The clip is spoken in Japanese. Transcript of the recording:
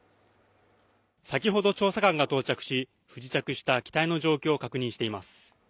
先ほど調査官が到着し、不時着した機体の状況を確認しています。